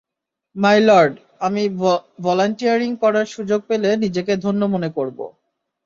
মাই lord, আমি volunteering করার সুযোগ পেলে নিজেকে ধন্য মনে করব।